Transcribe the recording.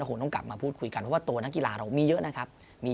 คงต้องกลับมาพูดคุยกันเพราะว่าตัวนักกีฬาเรามีเยอะนะครับ